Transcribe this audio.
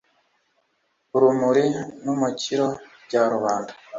urumuri n'umukiro bya rubanda.